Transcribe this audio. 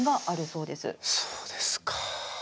そうですか。